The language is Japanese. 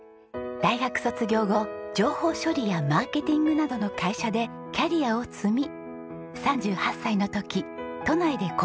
大学卒業後情報処理やマーケティングなどの会社でキャリアを積み。